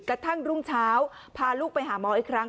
กระทั่งรุ่งเช้าพาลูกไปหาหมออีกครั้ง